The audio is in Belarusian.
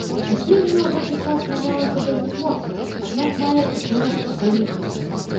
Адзенне ў гэты час мянялася досыць моцна, аднак мае і шэраг агульных рыс.